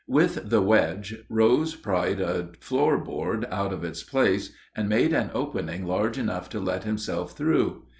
With the wedge Rose pried a floor board out of its place, and made an opening large enough to let himself through.